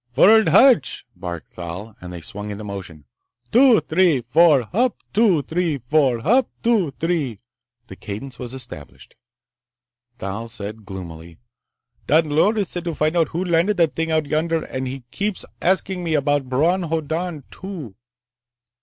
"Frrrrd harch!" barked Thal, and they swung into motion. "Two, three, four, Hup, two, three, four. Hup, two, three—" The cadence was established. Thal said gloomily, "Don Loris said to find out who landed that thing out yonder. And he keeps asking me about Bron Hoddan, too."